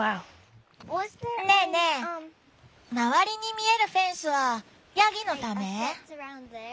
ねえねえ周りに見えるフェンスはヤギのため？